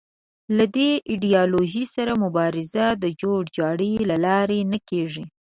له دې ایدیالوژۍ سره مبارزه د جوړ جاړي له لارې نه کېږي